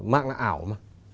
mạng là ảo mà